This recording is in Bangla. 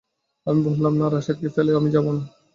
আমি বললাম, না, রাশেদকে ফেলে আমি যাব না।